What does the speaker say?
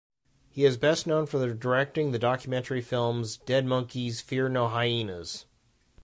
He is best known for directing the documentary films "Dead Donkeys Fear No Hyenas".